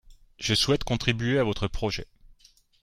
Je souhaite contribuer à votre projet